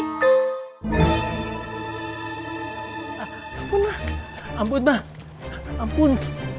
ampun ma ampun ma ampun